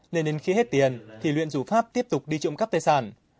nên đến khi hết tiền thì luyện rủ pháp tiếp tục đi trộm cắp tài sản